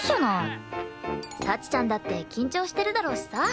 幸ちゃんだって緊張してるだろうしさ。